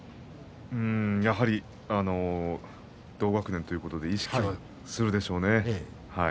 同学年ということで意識するでしょうね。